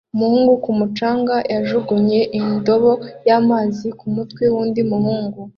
Umuhungu ku mucanga yajugunye indobo y'amazi kumutwe wundi muhungu